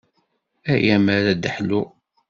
Ay ammer ad ḥluɣ.